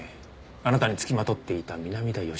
あなたに付きまとっていた南田義之です。